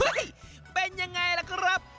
เป็นยังไงล่ะครับ